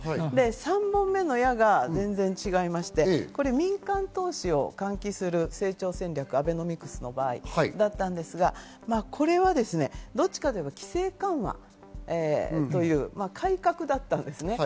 ３本目の矢が全然違いまして、これ、民間投資を喚起する成長戦略、アベノミクスの場合はそうだったんですが、これはですね、どちらかといえば規制緩和、改革だったんですね。